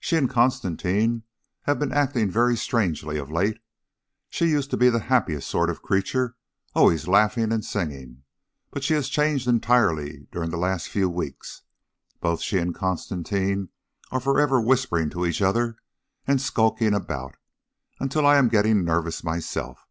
She and Constantine have been acting very strangely of late. She used to be the happiest sort of creature, always laughing and singing, but she has changed entirely during the last few weeks. Both she and Constantine are forever whispering to each other and skulking about, until I am getting nervous myself."